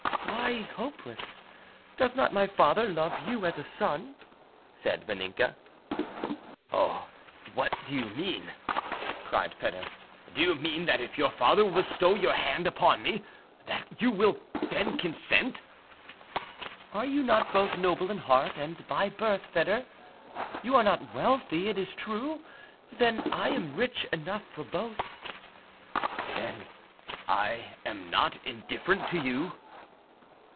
"Why hopeless? Does not my father love you as a son?" said Vaninka. "Oh, what do you mean?" cried Foedor. "Do you mean that if your father will bestow your hand upon me, that you will then consent—?" "Are you not both noble in heart and by birth, Foedor? You are not wealthy, it is true, but then I am rich enough for both." "Then I am not indifferent to you?"